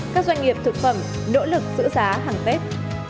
các doanh nghiệp thực phẩm nỗ lực giữ giá hàng tết